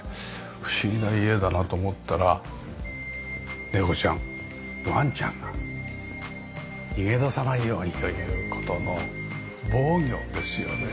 不思議な家だなと思ったら猫ちゃんワンちゃんが逃げ出さないようにという事の防御ですよね。